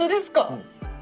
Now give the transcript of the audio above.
うん。